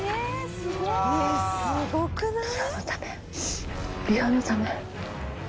すごくない？